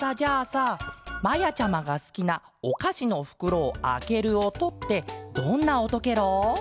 さまやちゃまがすきなおかしのふくろをあけるおとってどんなおとケロ？